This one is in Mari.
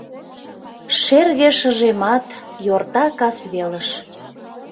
Шерге шыжемат йорта кас велыш.